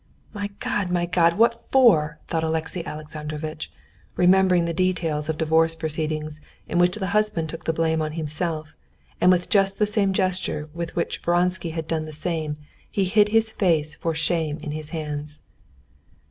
"My God, my God! what for?" thought Alexey Alexandrovitch, remembering the details of divorce proceedings in which the husband took the blame on himself, and with just the same gesture with which Vronsky had done the same, he hid his face for shame in his hands.